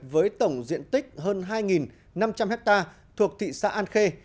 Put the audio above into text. với tổng diện tích hơn hai năm trăm linh hectare thuộc thị xã an khê